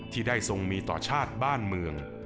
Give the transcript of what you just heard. ที่ได้ทรงมีต่อชาติบ้านเมือง